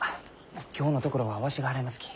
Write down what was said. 今日のところはわしが払いますき。